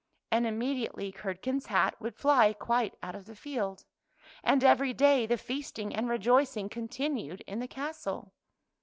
" And immediately Curdken's hat would fly quite out of the field. And every day the feasting and rejoicing continued in the castle.